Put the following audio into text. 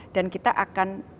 dan kita akan